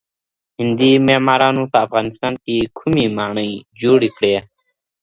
هندي معمارانو په افغانستان کي کومې ماڼۍ جوړې کړې؟